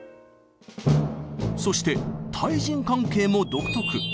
そして対人関係も独特。